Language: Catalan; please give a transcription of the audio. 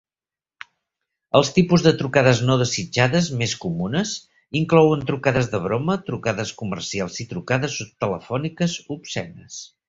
Els tipus de trucades no desitjades més comunes inclouen trucades de broma, trucades comercials i trucades telefòniques obscenes.